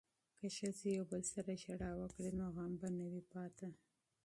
که ښځې یو بل سره ژړا وکړي نو غم به نه وي پاتې.